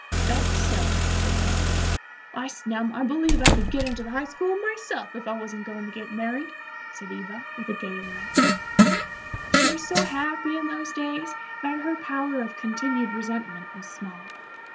"That's so," said Fanny. "I snum, I believe I could get into the high school myself, if I wasn't goin' to git married," said Eva, with a gay laugh. She was so happy in those days that her power of continued resentment was small.